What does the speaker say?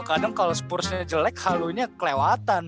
kadang kalo spurs nya jelek halunya kelewatan